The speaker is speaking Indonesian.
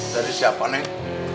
dari siapa neng